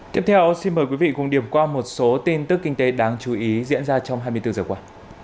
tiếp theo xin mời quý vị cùng điểm qua một số tin tức kinh tế đáng chú ý diễn ra trong hai mươi bốn giờ qua